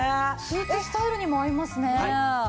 スーツスタイルにも合いますね。